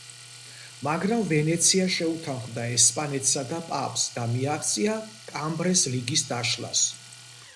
მაგრამ ვენეცია შეუთანხმდა ესპანეთსა და პაპს და მიაღწია კამბრეს ლიგის დაშლას.